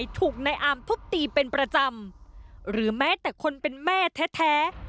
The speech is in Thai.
ถูกนายอามทุบตีเป็นประจำหรือแม้แต่คนเป็นแม่แท้